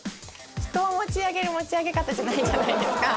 人を持ち上げる持ち上げ方じゃないじゃないですか。